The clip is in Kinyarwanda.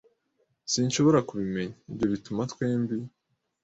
"Sinshobora kubimenya." "Ibyo bituma twembi."